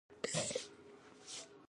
خپلواک حکومتونه یو په بل پسې سقوط شول.